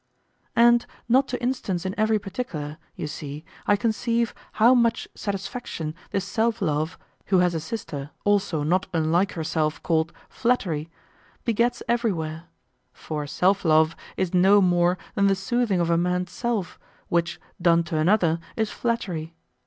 And, not to instance in every particular, you see, I conceive, how much satisfaction this Self love, who has a sister also not unlike herself called Flattery, begets everywhere; for self love is no more than the soothing of a man's self, which, done to another, is flattery.